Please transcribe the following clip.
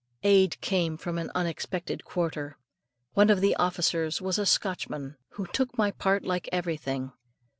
Aid came from an unexpected quarter. One of the officers was a Scotchman, and took my part like everything.